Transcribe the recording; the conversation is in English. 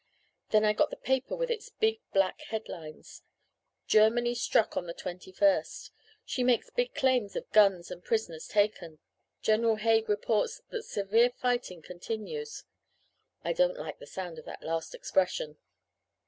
"Then I got the paper with its big black headlines. Germany struck on the twenty first. She makes big claims of guns and prisoners taken. General Haig reports that 'severe fighting continues.' I don't like the sound of that last expression.